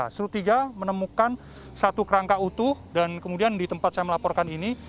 seru tiga menemukan satu kerangka utuh dan kemudian di tempat saya melaporkan ini